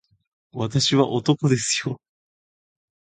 私は男ですよ